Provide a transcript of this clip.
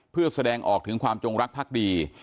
เพื่อแสดงออกถึงความจงรักภักดี